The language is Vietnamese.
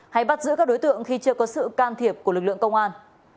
hay bắt giữ các đối tượng khi chưa có sự can thiệp của lực lượng công an